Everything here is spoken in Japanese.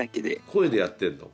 声でやってんの？